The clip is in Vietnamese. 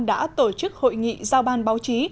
đã tổ chức hội nghị giao ban báo chí